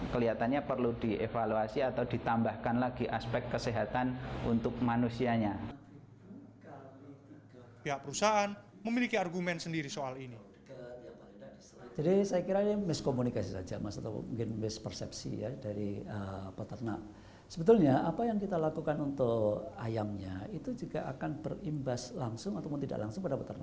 manusia akan terimpas